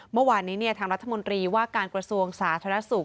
เมื่อวานนี้ทางรัฐมนตรีว่าการกระทรวงสาธารณสุข